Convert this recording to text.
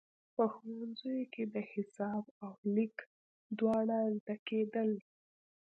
په ښوونځیو کې د حساب او لیک دواړه زده کېدل.